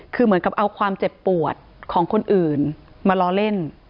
คือเหมือนกับเอาความเจ็บปวดของคนอื่นมาล้อเล่น